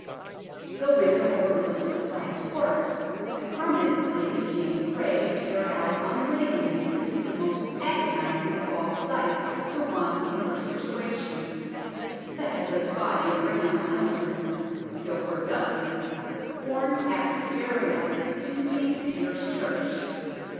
The window overlooks the flagged court, and from it Lady Jane Grey peered out unwittingly to see the most agonising of all sights to one in her situation the headless body of her young husband, Guilford Dudley, borne past to burial in St. Peter's church.